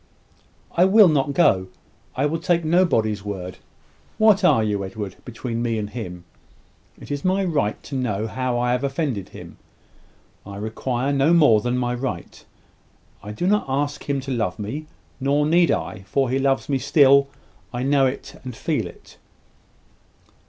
"I will not go. I will take nobody's word. What are you, Edward, between me and him? It is my right to know how I have offended him. I require no more than my right. I do not ask him to love me; nor need I, for he loves me still I know it and feel it."